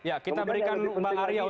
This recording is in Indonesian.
ada buktinya ada buktinya